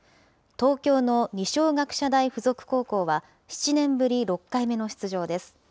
東京の二松学舎大付属高校は７年ぶり６回目の出場です。